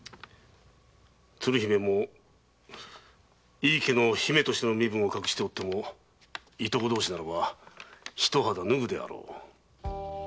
鶴姫も井伊家の姫としての身分を隠しておってもいとこ同士ならば一肌脱ぐであろう。